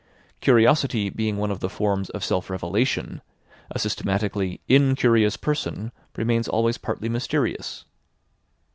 Curiosity being one of the forms of self revelation, a systematically incurious person remains always partly mysterious.